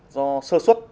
do sơ xuất